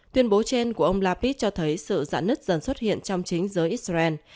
tuyên bố trên của ông lapid cho thấy sự giãn nứt dần xuất hiện trong chính giới israel